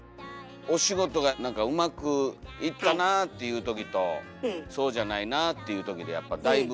お仕事がなんかうまくいったなっていうときとそうじゃないなっていうときでやっぱだいぶちゃいますよね。